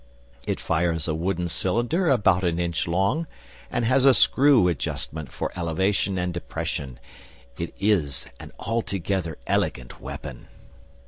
It fires a wooden cylinder about an inch long, and has a screw adjustment for elevation and depression. It is an altogether elegant weapon.